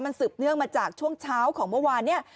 มันสืบเนื่องมาจากช่วงเช้าของเมื่อวานเนี่ย